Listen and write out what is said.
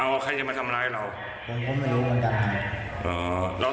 อ้าวใครจะมาทำร้ายเรานะครับอ๋อแล้วเสียบยาร์ไหมเออเสียบหน่อย